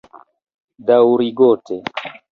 Daŭrigote